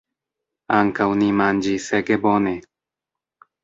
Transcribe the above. Ankaŭ ni manĝis ege bone!